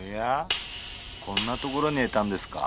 こんなところにいたんですか。